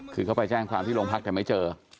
คือเขาไปแจ้งความที่โรงพักแต่ไม่เจอ